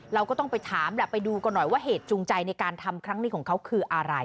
เราก็ต้องไปถามแหละไปดูกันหน่อยว่าเหตุจูงใจในการทำครั้งนี้ของเขาคืออะไร